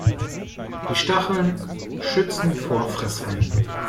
Die Stacheln schützen vor Fressfeinden.